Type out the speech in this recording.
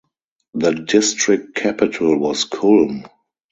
The district capital was Kulm.